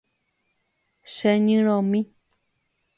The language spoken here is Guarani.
Cheñyrõmi.